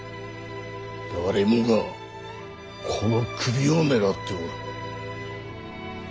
誰もがこの首を狙っておる。